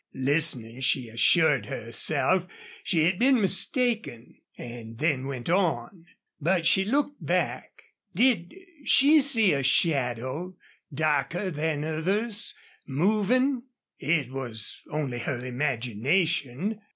Listening, she assured herself she had been mistaken, and then went on. But she looked back. Did she see a shadow darker than others moving? It was only her imagination.